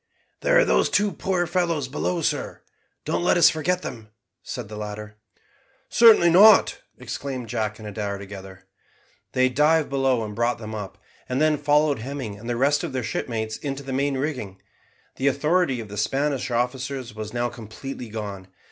"There are those two poor fellows below, sir. Don't let us forget them," said the latter. "Certainly not," exclaimed Jack and Adair together. They dived below and brought them up, and then followed Hemming and the rest of their shipmates into the main rigging. The authority of the Spanish officers was now completely gone.